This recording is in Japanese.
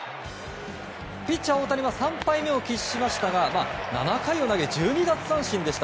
ピッチャー大谷は３敗目を喫しましたが７回を投げ１２奪三振でした。